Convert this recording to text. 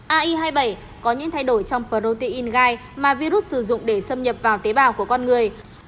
ai hai mươi bảy có những thay đổi trong protein gai mà virus sử dụng để xâm nhập vào tế bào của con người